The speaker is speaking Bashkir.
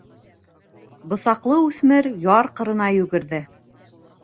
Бысаҡлы үҫмер яр ҡырына йүгерҙе.